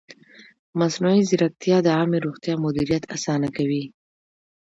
مصنوعي ځیرکتیا د عامې روغتیا مدیریت اسانه کوي.